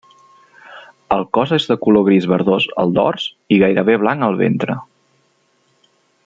El cos és de color gris verdós al dors i gairebé blanc al ventre.